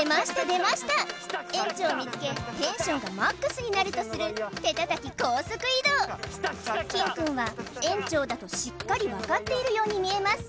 出ました園長を見つけテンションがＭＡＸになるとする手叩き高速移動キンくんは園長だとしっかりわかっているように見えます